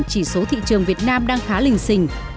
chỉ số thị trường việt nam đang khá lình xình